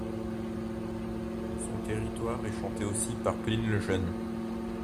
Son territoire est chanté aussi par Pline le Jeune.